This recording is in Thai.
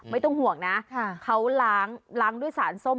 ไม่ต้องห่วงนะเขาล้างล้างด้วยสารส้ม